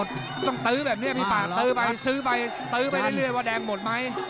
จะต้องตื้อแบบนี้หมีไปตื้อไปซื้อไปติ้อไปได้เลยว่ามันแดงหมดไหม